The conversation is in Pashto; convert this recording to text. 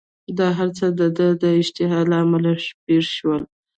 دا هرڅه دده د اشتباه له امله پېښ شول.